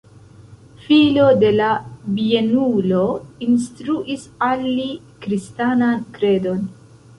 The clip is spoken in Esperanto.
Filo de la bienulo instruis al li kristanan kredon.